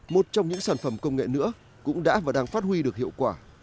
một trong những sản phẩm công nghệ nữa cũng đã và đang phát huy được hiệu quả